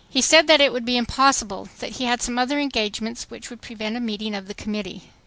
He said that it would be impossible, that he had some other engagements which would prevent a meeting of the Committee."